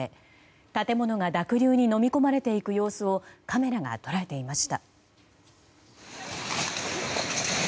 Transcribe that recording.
建物が濁流にのみ込まれていく様子をカメラが捉えていました。